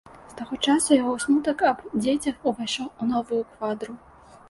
З таго часу яго смутак аб дзецях увайшоў у новую квадру.